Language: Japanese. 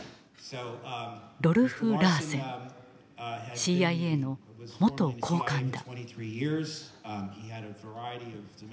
ＣＩＡの元高官だ。